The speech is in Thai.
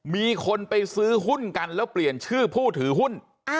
มีคนไปซื้อหุ้นกันแล้วเปลี่ยนชื่อผู้ถือหุ้น